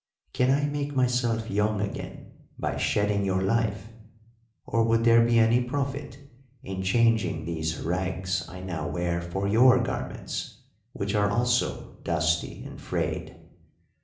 Can I make myself young again by shedding your life, or would there be any profit in changing these rags I now wear for your garments, which are also dusty and frayed?